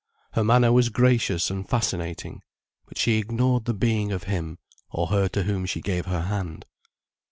Her manner was gracious and fascinating, but she ignored the being of him or her to whom she gave her hand.